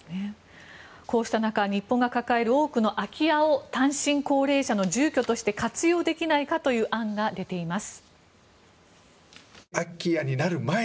こうした中、日本が抱える多くの空き家を単身高齢者の住居として活用できないかという案が出ています。